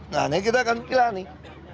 nah ini kita akan pilih nih